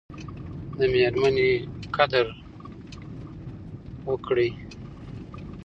د میرمني قدر وکړئ